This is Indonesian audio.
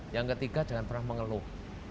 yang ketiga jangan pernah mengeluh